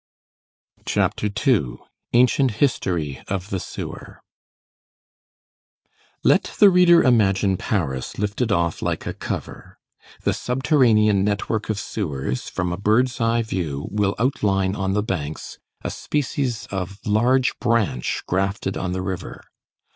CHAPTER II—ANCIENT HISTORY OF THE SEWER Let the reader imagine Paris lifted off like a cover, the subterranean network of sewers, from a bird's eye view, will outline on the banks a species of large branch grafted on the river.